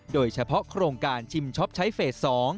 โดยเฉพาะโครงการชิมช็อปใช้เฟส๒